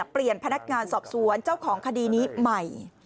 เปลี่ยนพนักงานสอบสวนเจ้าของคดีนี้ใหม่